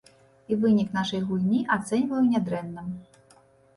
І вынік нашай гульні ацэньваю нядрэнна.